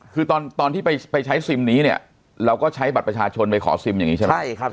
คือตอนที่ไปใช้ซิมนี้เนี่ยเราก็ใช้บัตรประชาชนไปขอซิมอย่างนี้ใช่ไหม